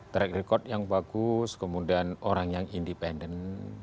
track record yang bagus kemudian orang yang independen